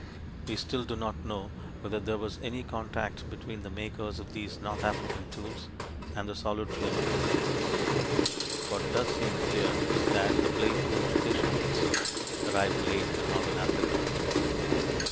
We still do not know whether there was any contact between the makers of these north African tools and the Solutrean tool makers. What does seem clear is that the blade tool tradition itself arrived late in northern Africa.